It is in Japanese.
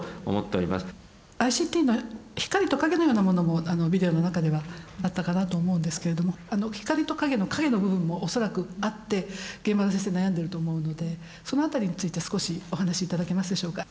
ＩＣＴの光と陰のようなものもビデオの中ではあったかなと思うんですけれども光と陰の陰の部分も恐らくあって現場の先生悩んでると思うのでそのあたりについて少しお話し頂けますでしょうか。